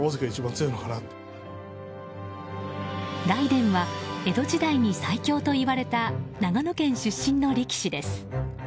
雷電は江戸時代に最強といわれた長野県出身の力士です。